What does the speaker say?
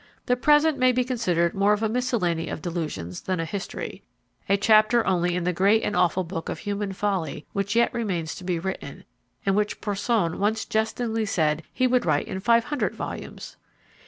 The present may be considered more of a miscellany of delusions than a history a chapter only in the great and awful book of human folly which yet remains to be written, and which Porson once jestingly said he would write in five hundred volumes!